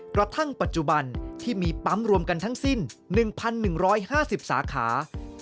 กระทั่งปัจจุบันที่มีปั๊มรวมกันทั้งสิ้น๑๑๕๐สาขา